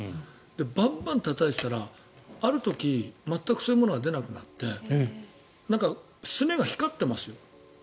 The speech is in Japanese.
バンバンたたいていたらある時、全くそういうものが出なくなってすねが光ってますよ。